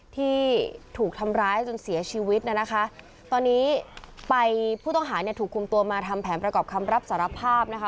ที่ถูกทำร้ายจนเสียชีวิตน่ะนะคะตอนนี้ไปผู้ต้องหาเนี่ยถูกคุมตัวมาทำแผนประกอบคำรับสารภาพนะคะ